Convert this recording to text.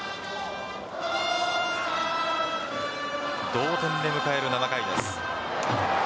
同点で迎える７回です。